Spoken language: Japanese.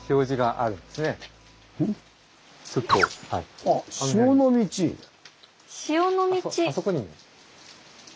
あそこにも。